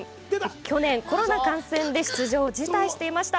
去年、コロナ感染で出場を辞退していました。